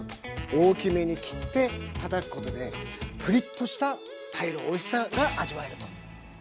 大きめに切ってたたくことでプリッとした鯛のおいしさが味わえると。